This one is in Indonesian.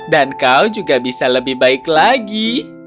dan kau juga bisa lebih baik lagi